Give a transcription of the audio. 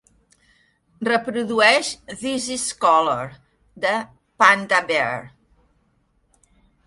Reprodueix This Is Color de Panda Bear